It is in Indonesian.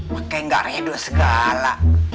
mak kayak gak redo segala